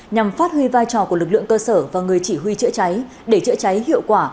nhằm phát huy vai trò của lực lượng cơ sở và người chỉ huy chữa cháy để chữa cháy hiệu quả